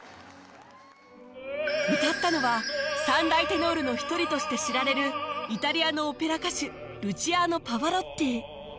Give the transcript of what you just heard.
歌ったのは３大テノールの一人として知られるイタリアのオペラ歌手ルチアーノ・パヴァロッティ